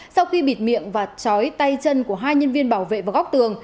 sau khi bịt miệng và chói tay chân của hai nhân viên bảo vệ vào góc tường